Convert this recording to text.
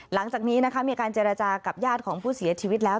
หลังจากนี้นะคะมีการเจรจากับญาติของผู้เสียชีวิตแล้ว